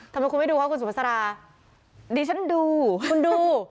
ทำไมคุณไม่ดูคะคุณสุภาษาดิฉันดูคุณดู